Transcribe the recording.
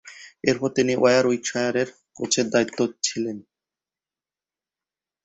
এরপর তিনি ওয়ারউইকশায়ারের কোচের দায়িত্বে ছিলেন।